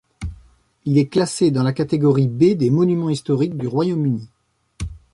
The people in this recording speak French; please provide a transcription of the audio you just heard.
Il est classé dans la catégorie B des monuments historiques du Royaume-Uni.